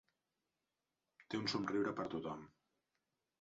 Té un somriure per a tothom.